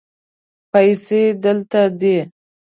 پیسې دلته دي